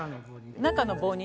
中の棒に。